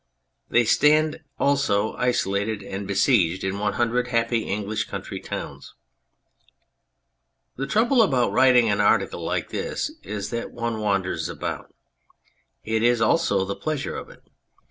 They stand also isolated and besieged in one hundred happy English country towns. ... The trouble about writing an article like this is that one wanders about : it is also the pleasure of it.